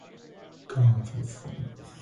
Consists of seven members elected by the Congress.